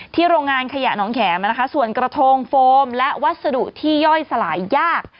โรงงานขยะน้องแขมส่วนกระทงโฟมและวัสดุที่ย่อยสลายยาก